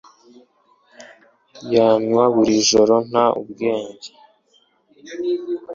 Yanywa buri joro nta ubwenge.